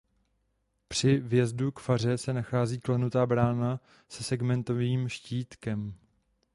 Při vjezdu k faře se nachází klenutá brána se segmentovým štítkem.